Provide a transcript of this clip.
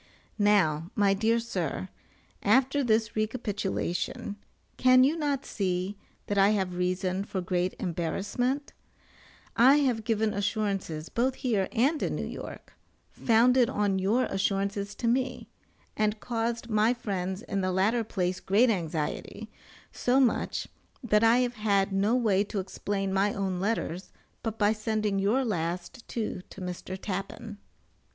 Now, my dear sir, after this recapitulation, can you not see that I have reason for great embarrassment? I have given assurances, both here and in New York, founded on your assurances to me, and caused my friends in the latter place great anxiety, so much that I have had no way to explain my own letters but by sending your last two to Mr. Tappan.